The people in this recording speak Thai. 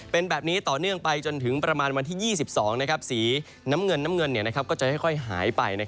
เป็นแบบนี้ต่อเนื่องไปจนถึงประมาณวันที่๒๒สีน้ำเงินน้ำเงินก็จะค่อยหายไป